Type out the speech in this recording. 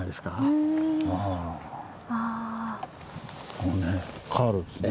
こうねカールですね。